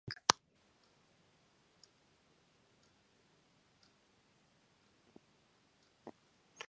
The battle raged for seven hours and British intervention was late in coming.